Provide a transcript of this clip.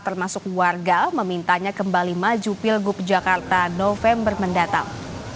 termasuk warga memintanya kembali maju pilgub jakarta november mendatang